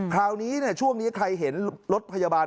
คราวนี้ช่วงนี้ใครเห็นรถพยาบาล